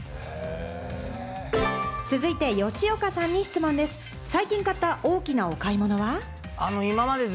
続いても小池さんに質問です。